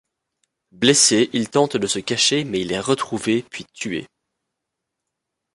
Blessé, il tente de se cacher mais il est retrouvé puis tué.